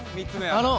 ３つ目は。